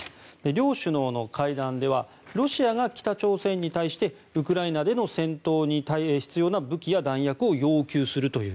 両首脳の会談ではロシアが北朝鮮に対してウクライナでの戦闘に必要な武器や弾薬を要求するという。